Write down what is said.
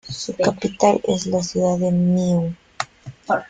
Su capital es la ciudad de Nyon.